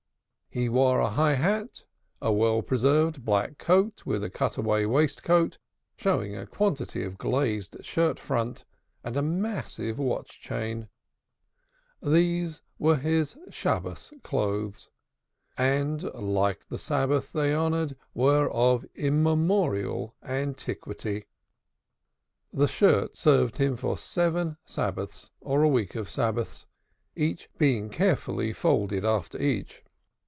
He wore a high hat, a well preserved black coat, with a cutaway waistcoat, showing a quantity of glazed shirtfront and a massive watch chain. They were his Sabbath clothes, and, like the Sabbath they honored, were of immemorial antiquity. The shirt served him for seven Sabbaths, or a week of Sabbaths, being carefully folded after each.